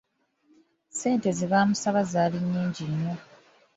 Ssente ze baamusaba zaali nyingi nnyo.